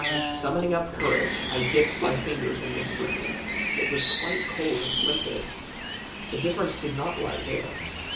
Summoning up courage, I dipped my fingers in the stream; it was quite cold and limpid. The difference did not lie there.